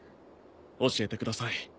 教えてください。